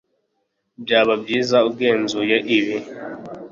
Byaba byiza ugenzuye ibi